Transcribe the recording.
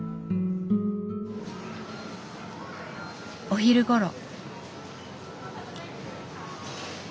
お昼ごろ。